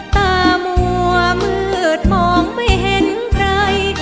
รับทราบ